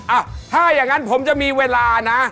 อ่ะถ้าอย่างนั้นผมจะมีเวลานะ